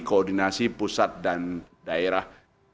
koordinasi pusat dan daerah